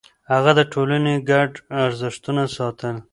هغه د ټولنې ګډ ارزښتونه ساتل.